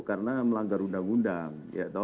karena melanggar undang undang